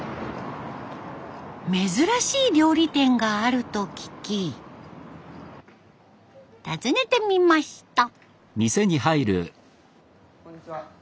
珍しい料理店があると聞き訪ねてみました。